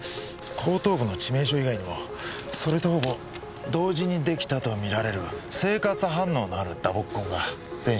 後頭部の致命傷以外にもそれとほぼ同時に出来たと見られる生活反応のある打撲痕が全身にありました。